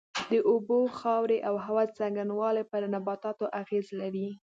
د اوبو، خاورې او هوا څرنگوالی پر نباتاتو اغېز لري.